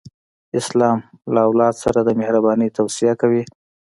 اسلام له اولاد سره د مهرباني توصیه کوي.